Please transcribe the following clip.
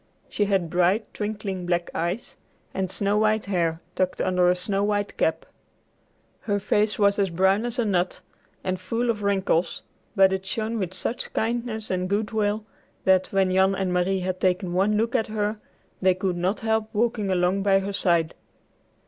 She had bright, twinkling black eyes, and snow white hair tucked under a snow white cap. Her face was as brown as a nut and full of wrinkles, but it shone with such kindness and good will that, when Jan and Marie had taken one look at her, they could not help walking along by her side.